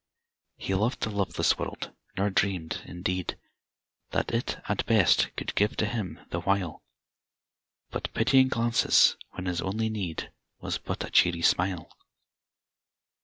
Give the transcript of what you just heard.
He loved the loveless world, nor dreamed, in deed. That it, at best, could give to him, the while. But pitying glances, when his only need Was but a cheery smile.